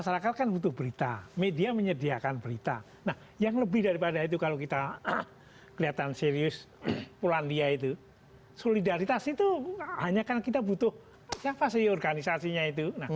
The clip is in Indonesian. masyarakat kan butuh berita media menyediakan berita nah yang lebih daripada itu kalau kita kelihatan serius polandia itu solidaritas itu hanya karena kita butuh siapa sih organisasinya itu